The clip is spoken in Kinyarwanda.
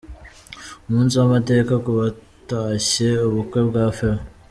Umunsi w'amateka ku batashye ubukwe bwa Favor.